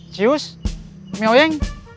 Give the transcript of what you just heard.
cius mau makan